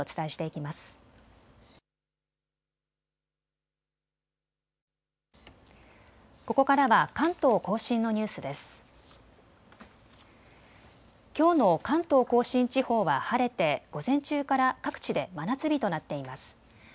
きょうの関東甲信地方は晴れて午前中から各地で真夏日となっています。